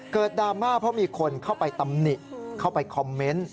ดราม่าเพราะมีคนเข้าไปตำหนิเข้าไปคอมเมนต์